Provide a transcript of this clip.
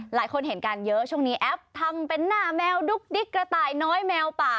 หลายคนเห็นกันเยอะช่วงนี้แอปทำเป็นหน้าแมวดุ๊กดิ๊กกระต่ายน้อยแมวป่า